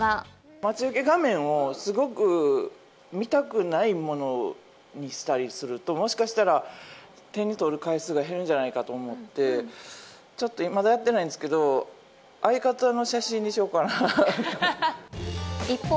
待ち受け画面をすごく見たくないものにしたりすると、もしかしたら手に取る回数が減るんじゃないかと思って、ちょっと、まだやってないんですけど、相方の写真にしようかなと。